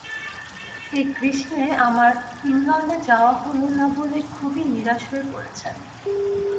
এই গ্রীষ্মে আমার ইংলণ্ডে যাওয়া হল না বলে তিনি খুবই নিরাশ হয়ে পড়েছেন।